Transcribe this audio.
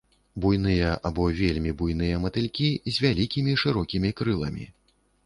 Буйныя або вельмі буйныя матылькі з вялікімі шырокімі крыламі.